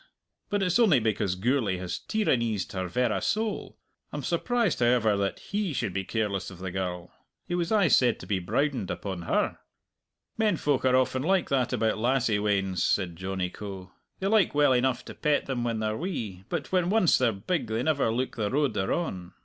But it's only because Gourlay has tyraneezed her verra soul. I'm surprised, however, that he should be careless of the girl. He was aye said to be browdened upon her." "Men folk are often like that about lassie weans," said Johnny Coe. "They like well enough to pet them when they're wee, but when once they're big they never look the road they're on!